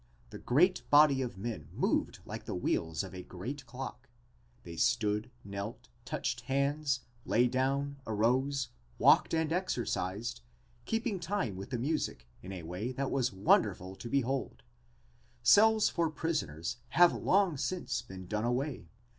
The great body of men moved like the wheels of a great clock. They stood, knelt, touched hands, lay down, arose, walked and exercised, keeping time with the music in a way that was wonderful to behold. Cells for prisoners have long since been done away.